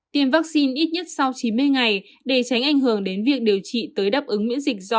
tiêm vaccine ít nhất sau chín mươi ngày để tránh ảnh hưởng đến việc điều trị tới đáp ứng miễn dịch do